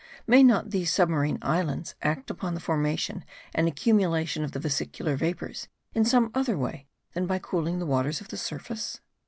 May not these submarine islands act upon the formation and accumulation of the vesicular vapours in some other way than by cooling the waters of the surface?